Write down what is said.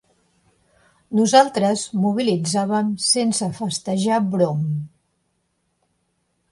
Nosaltres mobilitzàvem sense festejar brom.